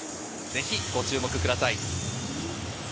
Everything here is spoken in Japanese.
ぜひご注目ください。